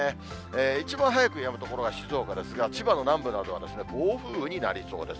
一番早くやむ所は静岡ですが、千葉の南部などは暴風雨になりそうです。